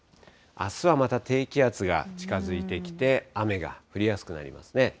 あすはまた低気圧が近づいてきて、雨が降りやすくなりますね。